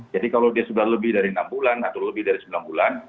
jadi kalau dia sudah lebih dari enam bulan atau lebih dari sembilan bulan